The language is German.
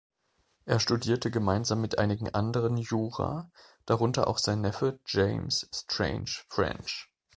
Er studierte gemeinsam mit einigen anderen Jura, darunter auch sein Neffe James Strange French.